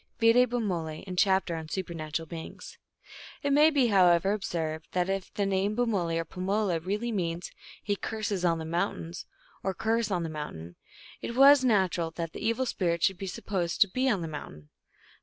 (Vide Bumole, in chap ter on Supernatural Beings.) It may be, however, observed, that if the name Bumole or Pamela really means " he curses on the mountain," or curse on mountain, it was natural that the evil spirit should be supposed to be on the mountain.